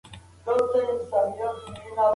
هغې وویل، مخکې ډېره احساساتي وم.